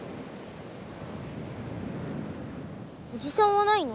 おじさんはないの？